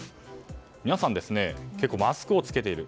皆さん、結構マスクを着けている。